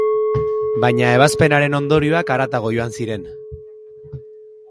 Baina ebazpenaren ondorioak haratago joan ziren.